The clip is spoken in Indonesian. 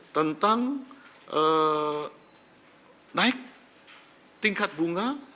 tentang naik tingkat bunga